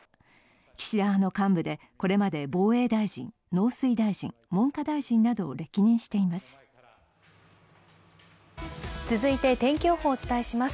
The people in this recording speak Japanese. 岸田派の幹部でこれまで防衛大臣、農水大臣、文科大臣などを歴任しています。